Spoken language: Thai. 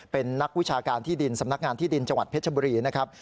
เป็นนักวิชาการที่ดินสำนักงานที่ดินจังหวัดเพชรบุรีนะครับ